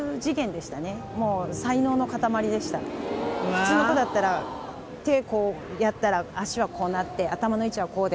「普通の子だったら手こうやったら足はこうなって頭の位置はこうで」